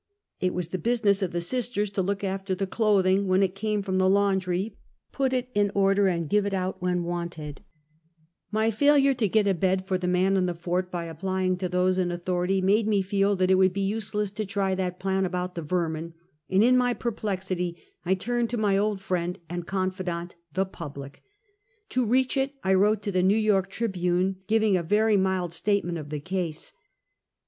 It was the business of the Sisters to look after the cloth ing when it came from the laundry, put it in order, and give it out when wanted. Two Kinds of Appeeciation. 293 My failure to get a bed for the man in the fort by applying to those in authority, made me feel that it would be useless to try that plan about the vermin; and, in my perplexity, I turned to my old friend and confidant, the public. To reach it, I wrote to the New York T'ribune^ gi"^ing a very mild statement of the case.